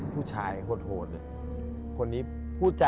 ผู้ชายโหดเลย